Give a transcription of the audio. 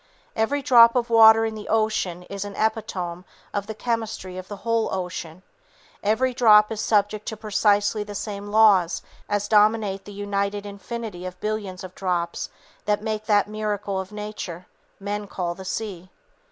Every drop of water in the ocean is an epitome of the chemistry of the whole ocean; every drop is subject to precisely the same laws as dominate the united infinity of billions of drops that make that miracle of Nature, men call the Sea.